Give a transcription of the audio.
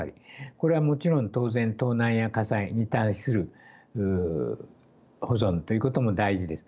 これはもちろん当然盗難や火災に対する保存ということも大事です。